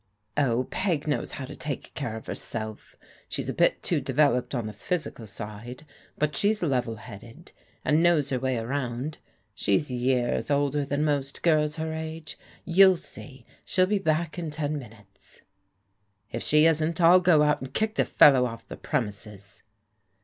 " Oh, Peg knows how to take care of herself. She's a bit too developed on the physical side, but she's level headed, and knows her way around. She's years older than most girls her age. You'll see, she'll be back in ten minutes." " If she isn't, I'll go out and kick the fellow oflF the premises."